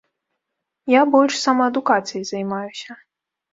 Я больш самаадукацыяй займаўся.